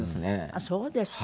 あっそうですか。